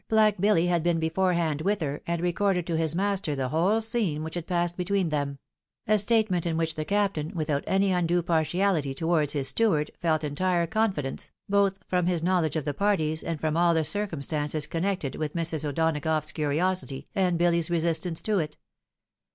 Black Billy had been beforehand with her, and recorded to his master the whole scene which had passed between them ; a statement in which the Captain, without any undue partiaUty towards his steward, felt entire confidence, both from his knowledge of the parties, and from all the circum stances connected with Mrs. O'Donagough's curiosity, and Billy's resistance to it.